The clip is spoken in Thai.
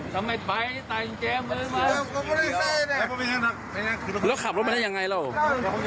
เขาขับรถมันให้ยังไงแล้ว